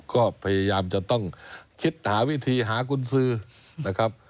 ก็พยายามจะต้องคิดหาวิธีหากุญสือนะครับ